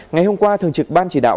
ngày hôm qua thường trực ban chỉ đạo